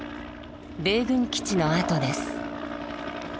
米軍基地の跡です。